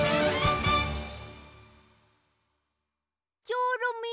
チョロミー